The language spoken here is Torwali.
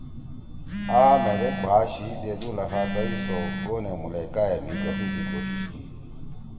آ مھیدیک بھا شیِش دیدُو لخا دش سو گونے مُولیکا ئے مھی گَݜُو سی کوشِش کی ئی